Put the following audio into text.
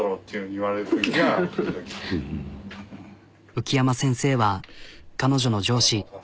浮山先生は彼女の上司。